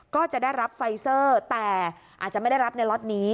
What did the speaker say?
ก็จะได้รับไฟเซอร์แต่อาจจะไม่ได้รับในล็อตนี้